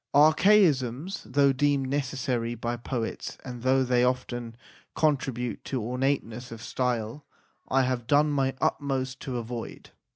Archaisms, though deemed necessary by poets, and though they often contribute to ornateness of style, I have done my utmost to avoid.